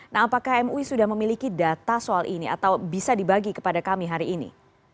nah apakah mui sudah memiliki data soal ini atau bisa dibagi kepada kami hari ini